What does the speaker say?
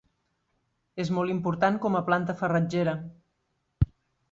És molt important com a planta farratgera.